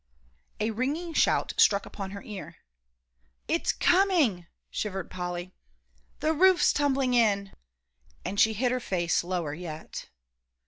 A ringing shout struck upon her ear. "It's coming!" shivered Polly; "the roof's tumbling in!" and she hid her face lower yet.